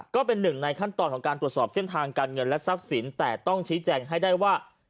ก็เป็นหนึ่งในขั้นตอนของการตรวจสอบเส้นทางการเงินและทรัพย์สินแต่ต้องชี้แจงให้ได้ว่า